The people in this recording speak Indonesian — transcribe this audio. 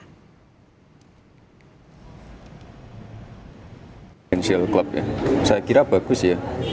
presidensial club saya kira bagus ya